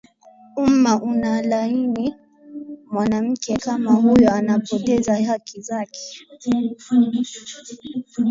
Umma unalaani mwanamke kama huyo anapoteza haki zake